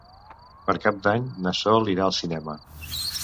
Per Cap d'Any na Sol irà al cinema.